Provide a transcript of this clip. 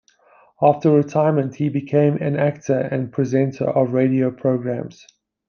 After retirement, he became an actor and presenter of radio programs.